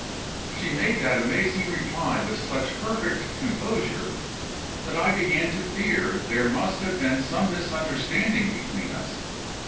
She made that amazing reply with such perfect composure, that I began to fear there must have been some misunderstanding between us.